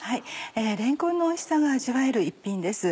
れんこんのおいしさが味わえる一品です。